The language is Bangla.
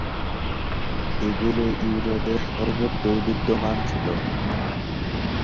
এগুলো ইউরোপের সর্বত্রই বিদ্যমান ছিল।